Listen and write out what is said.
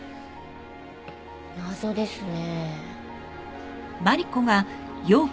謎ですね。